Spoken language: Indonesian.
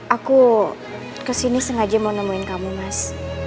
aku kesini sengaja mau nemuin kamu mas